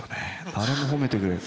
誰も褒めてくれない。